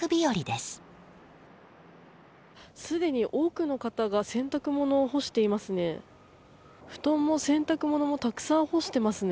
すでに多くの方が洗濯物を干していますね。